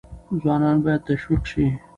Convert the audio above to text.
ځوانان باید تشویق شي.